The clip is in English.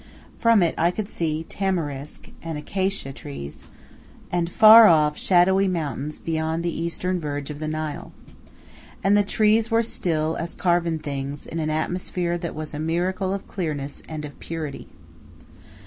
From it I could see tamarisk and acacia trees, and far off shadowy mountains beyond the eastern verge of the Nile. And the trees were still as carven things in an atmosphere that was a miracle of clearness and of purity.